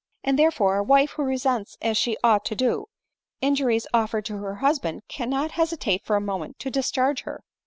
" And, therefore, a wife who resents as she ought to do, injuries offered to her husband, cannot hesitate for a moment to discharge her."